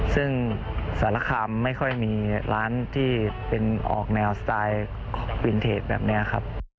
ซึ่งสารคามไม่ค่อยมีร้านที่เป็นออกแนวสไตล์วินเทจแบบนี้ครับ